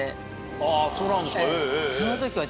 あっそうなんですか。